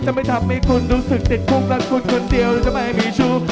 จะไม่ทำให้คุณรู้สึกติดคลุกรักคนคนเดียวจะไม่มีชุบ